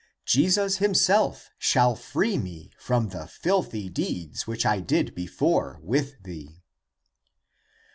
Jesus himself shall free me from the filthy deeds which I did before with thee."